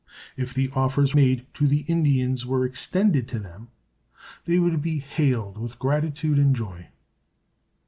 If the offers made to the Indians were extended to them, they would be hailed with gratitude and joy.